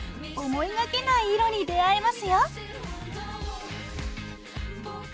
思いがけない色に出会えますよ。